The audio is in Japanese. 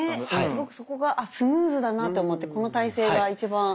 すごくそこがスムーズだなと思ってこの体勢が一番。